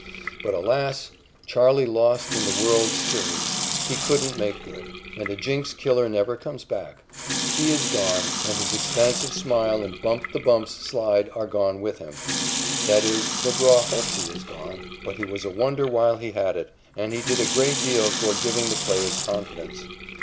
But, alas! "Charley" lost in the world's series. He couldn't make good. And a jinx killer never comes back. He is gone. And his expansive smile and bump the bumps slide are gone with him. That is, McGraw hopes he is gone. But he was a wonder while he had it. And he did a great deal toward giving the players confidence.